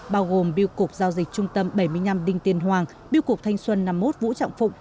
bao gồm biêu cục giao dịch trung tâm bảy mươi năm đinh tiên hoàng biêu cục thanh xuân năm mươi một vũ trọng phụng